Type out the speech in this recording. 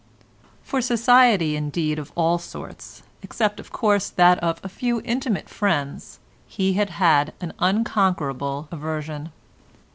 For society indeed of all sorts, except of course that of a few intimate friends, he had an unconquerable aversion.